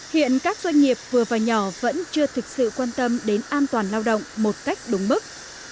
hiện các doanh nghiệp vừa và nhỏ vẫn chưa thực sự quan tâm đến an toàn lao động một cách đúng mức